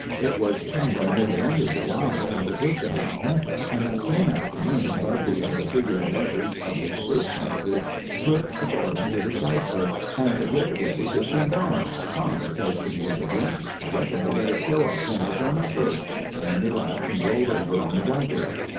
Hit was somewhere near the end of July when we took the mountain, and that same afternoon Bud begun to figger the letters of his first message crooked accordin' to the cipher, and git hit ready to send on. 'Tom,' he says to me with a grin, 'I reckon we better kill off Gineral Sherman first,' and then he laughed and rolled over on the blankets.